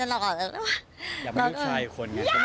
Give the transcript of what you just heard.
อยากมีลูกชายอีกคนไง